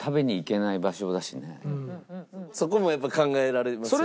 そこもやっぱ考えられますよね。